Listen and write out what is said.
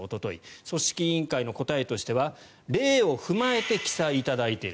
組織委員会の答えとしては例を踏まえて記載いただいている。